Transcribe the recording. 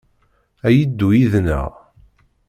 A yeddu yid-neɣ?